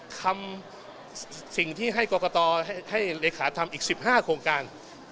ทำสิ่งที่ให้กรกตให้เลขาทำอีก๑๕โครงการ